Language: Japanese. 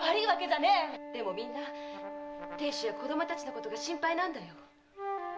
でもみんな亭主や子どもたちのことが心配なんだ。